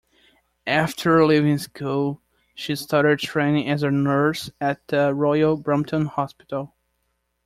After leaving school, she started training as a nurse at the Royal Brompton Hospital.